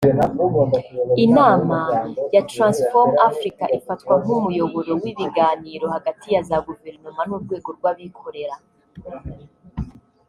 Inama ya Transform Africa ifatwa nk’umuyoboro w’ibiganiro hagati ya za guverinoma n’ urwego rw’ abikorera